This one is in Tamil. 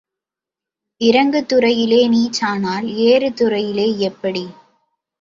இறங்கு துறையிலே நீச்சானால் ஏறு துறையிலே எப்படி?